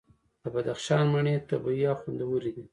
د بدخشان مڼې طبیعي او خوندورې دي.